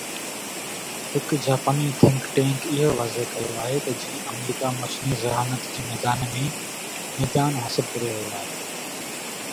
هڪ جاپاني think tank اهو واضح ڪيو آهي ته جيئن آمريڪا مصنوعي ذهانت جي ميدان ۾ ميدان حاصل ڪري رهيو آهي،